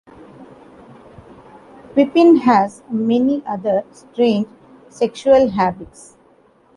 Pippin has many other strange sexual habits.